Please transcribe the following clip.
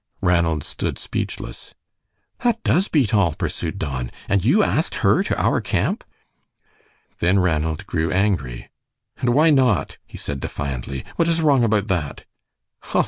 Ranald stood speechless. "That does beat all," pursued Don; "and you asked her to our camp?" Then Ranald grew angry. "And why not?" he said, defiantly. "What is wrong about that?"